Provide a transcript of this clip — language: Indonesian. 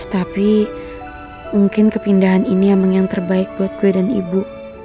tapi mungkin kepindahan ini emang yang terbaik buat gue dan ibu